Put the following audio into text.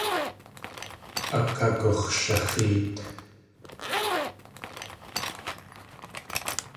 Akagux̲shaxéet.